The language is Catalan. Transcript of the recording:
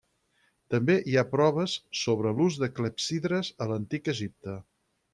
També hi ha proves sobre l'ús de clepsidres a l'antic Egipte.